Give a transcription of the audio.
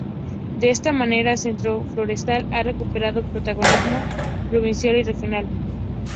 De esta manera, Centro Forestal ha recuperado protagonismo provincial y regional.